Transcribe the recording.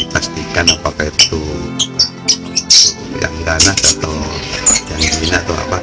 pastikan apakah itu yang ganas atau yang jin atau apa